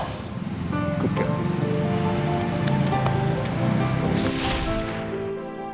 angkat kaki dari kota ini